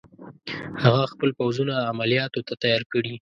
هغه خپل پوځونه عملیاتو ته تیار کړي.